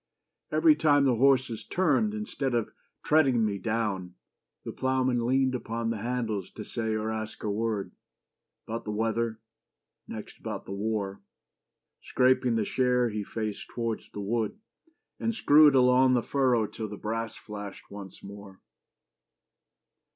Every time the horses turned Instead of treading me down, the ploughman leaned Upon the handles to say or ask a word, About the weather, next about the war. Scraping the share he faced towards the wood, And screwed along the furrow till the brass flashed Once more.